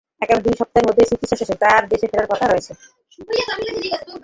আগামী দুই সপ্তাহের মধ্যেই চিকিৎসা শেষে তাঁর দেশে ফেরার কথা রয়েছে।